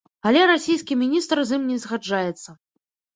Але расійскі міністр з ім не згаджаецца.